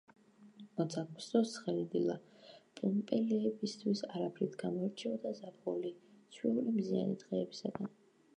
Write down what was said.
ოც აგვისტოს ცხელი დილა პომპეელებისთვის არაფრით გამოირჩეოდა ზაფხულის ჩვეული მზიანი დღეებისგან.